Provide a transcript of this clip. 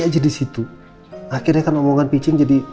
masih aja di situ akhirnya kan omongan picing jadi pusing